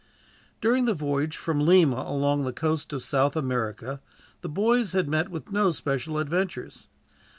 During the voyage from Lima along the coast of South America, the boys had met with no special adventures.